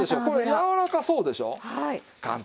これやわらかそうでしょう。